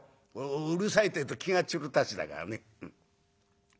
うるさいってえと気が散るたちだからね。